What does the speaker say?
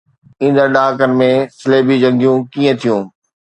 ايندڙ ڏهاڪن ۾ صليبي جنگيون ڪيئن ٿيون؟